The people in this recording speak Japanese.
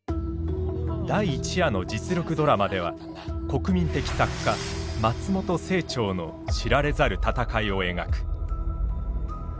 第一夜の実録ドラマでは国民的作家松本清張の知られざる闘いを描く。